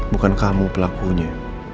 bukan kamu pelakunya